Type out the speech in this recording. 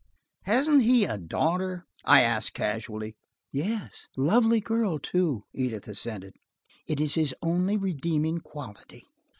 "Hasn't he a daughter?" I asked casually. "Yes–a lovely girl, too," Edith assented. "It is his only redeeming quality."